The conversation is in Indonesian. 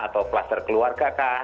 atau kluster keluarga kah